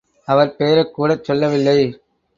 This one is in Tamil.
அவர் பெயரைக்கூடச் சொல்லவில்லை.